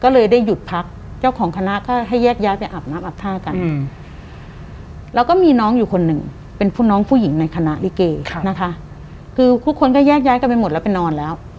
แล้วก็มีน้องอยู่คนหนึ่งเป็นพูดน้องผู้หญิงในคณะลิเกย์ค่ะนะคะคือทุกคนก็แยกย้ายกันไปหมดแล้วไปนอนแล้ว